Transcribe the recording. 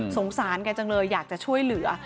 แกจังเลยอยากจะช่วยเหลือ